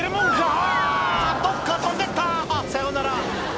「あぁどっか飛んでったさよなら！」